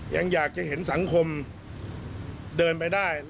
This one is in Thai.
ยังอยากจะเห็นสังคมเดินไปได้